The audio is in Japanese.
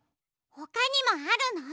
ほかにもあるの？